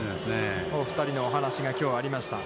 お二人のお話がきょうありました。